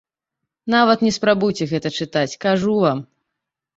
Нават не спрабуйце гэта чытаць, кажу вам.